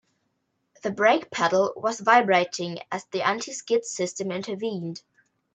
The brake pedal was vibrating as the anti-skid system intervened.